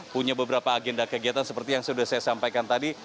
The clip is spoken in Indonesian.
punya beberapa agenda kegiatan seperti yang sudah saya sampaikan tadi